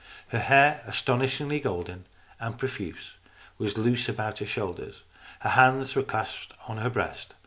Her hair, astonishingly golden and profuse, was loose about her shoulders. Her hands were clasped on her breast.